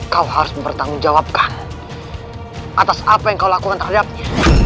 kau harus mempertanggungjawabkan atas apa yang kau lakukan terhadapnya